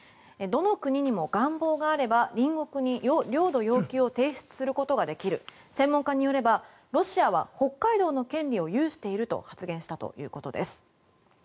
どの国にも願望があれば隣国に領土要求を提出することができる専門家によればロシアは北海道の権利を有していると発言したということです。